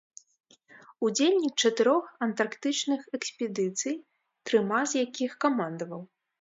Удзельнік чатырох антарктычных экспедыцый, трыма з якіх камандаваў.